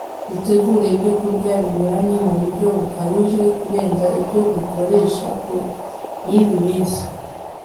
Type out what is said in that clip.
dutegure ibyokurya binyuranye mu buryo bukabije kurenza ibyo dukoresha ku yindi minsi